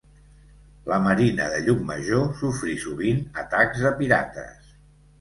La marina de Llucmajor sofrí sovint atacs de pirates.